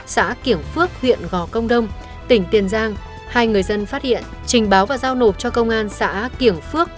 xã kiểng phước huyện gò công đông tỉnh tiền giang hai người dân phát hiện trình báo và giao nộp cho công an xã kiểng phước